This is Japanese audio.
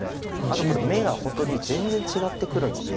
あとこれ眼が本当に全然違ってくるので。